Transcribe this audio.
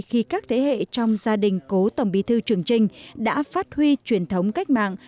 khi các thế hệ trong gia đình cố tổng bí thư trường trinh đã phát huy truyền thống cách mạng